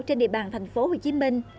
trên địa bàn thành phố hồ chí minh